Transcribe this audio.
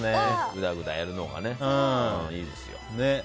グダグダやるのがいいですよ。